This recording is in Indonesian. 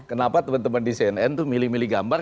kenapa teman teman di cnn tuh milih milih gambar